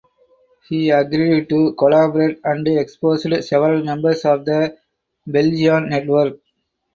He agreed to collaborate and exposed several members of the Belgian network.